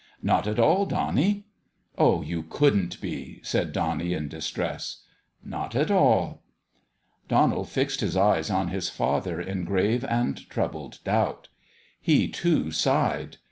" Not at all, Donnie." " Oh, you couldrit be !" said Donnie, in dis tress. " Not at all." Donald fixed his eyes on his father in grave and troubled doubt. He, too, sighed.